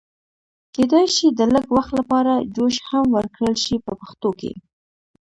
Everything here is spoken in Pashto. کېدای شي د لږ وخت لپاره جوش هم ورکړل شي په پښتو کې.